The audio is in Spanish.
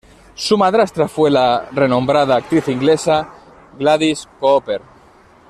Su madrastra fue la renombrada actriz inglesa Gladys Cooper.